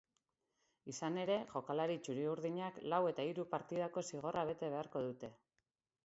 Izan ere, jokalari txuri-urdinak lau eta hiru partidako zigorra bete beharko dute.